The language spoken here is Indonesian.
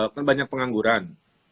kan banyak pengangguran